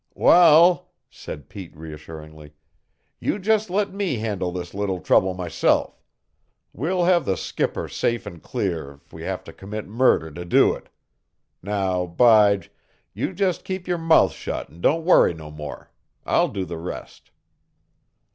"Wal," said Pete reassuringly, "you just let me handle this little trouble myself. We'll have the skipper safe an' clear if we have to commit murder to do it. Now, Bige, you just keep your mouth shut and don't worry no more. I'll do the rest."